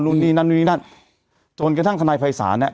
นู่นนี่นั่นนู่นนี่นั่นจนกระทั่งทนายภัยศาลเนี้ย